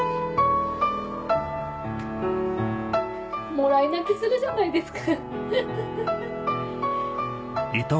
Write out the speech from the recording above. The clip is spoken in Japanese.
もらい泣きするじゃないですか。